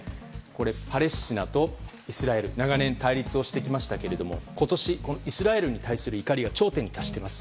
パレスチナとイスラエル長年対立をしてきましたけれども今年、イスラエルに対する怒りが頂点に達しています。